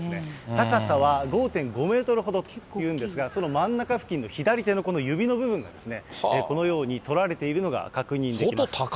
高さは５．５メートルほどというんですが、その真ん中付近のこの左手のこの指の部分が、このように取られているのが確認できます。